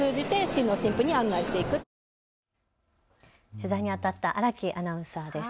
取材にあたった荒木アナウンサーです。